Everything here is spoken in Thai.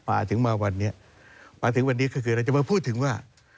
มาถึงมาวันนี้คือเราจะมาพูดถึงว่า